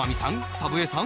草笛さん